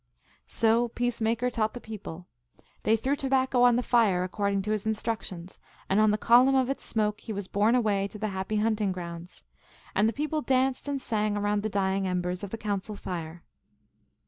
So Peace Maker taught the people. They threw THE MERRY TALES OF LOX. 205 tobacco on the fire, according to his instructions, and on the column of its smoke he was borne away to the happy hunting grounds. And the people danced and sang around the dying embers of the council fire.